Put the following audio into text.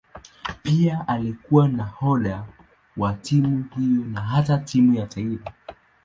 Pia alikuwa nahodha wa timu hiyo na hata wa timu ya taifa.